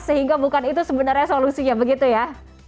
sehingga bukan itu sebenarnya solusinya begitu ya